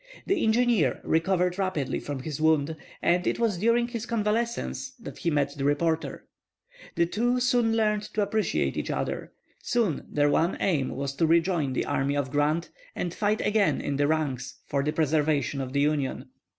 The engineer recovered rapidly from his wound, and it was during his convalescence he met the reporter. The two soon learned to appreciate each other. Soon their one aim was to rejoin the army of Grant and fight again in the ranks for the preservation of the Union.